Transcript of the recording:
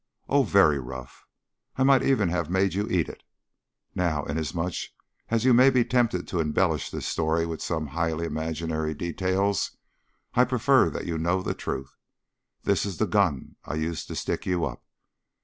Oh, very rough! I might even have made you eat it. Now, inasmuch as you may be tempted to embellish this story with some highly imaginary details, I prefer that you know the truth. This is the 'gun' I used to stick you up."